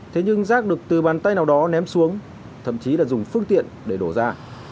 thế nhưng rác được từ bàn tay nào đó ném xuống thậm chí là dùng phương tiện để đổ ra